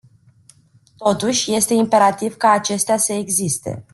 Totuși, este imperativ ca acestea să existe.